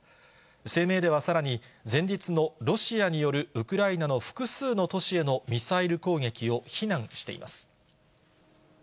声明ではさらに、前日のロシアによるウクライナの複数の都市へのミサイル攻撃を非難しています。